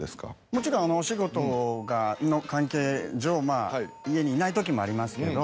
もちろんお仕事の関係上家にいない時もありますけど